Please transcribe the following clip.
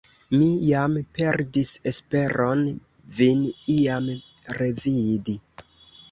Mi jam perdis esperon vin iam revidi!